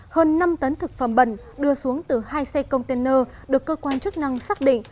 hơn năm tấn thực phẩm bẩn đưa xuống từ hai xe container được cơ quan chức năng xác định